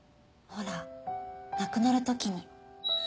ほら亡くなるときに。